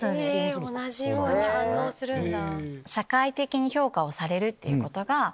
同じように反応するんだ。